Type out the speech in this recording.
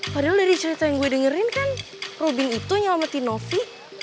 padahal dari cerita yang gue dengerin kan rubin itu nyelamatin novi